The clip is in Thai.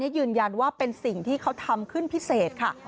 ยืนยันว่าเป็นสิ่งที่เขาทำขึ้นพิเศษค่ะ